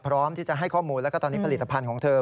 พร้อมที่จะให้ข้อมูลแล้วก็ตอนนี้ผลิตภัณฑ์ของเธอ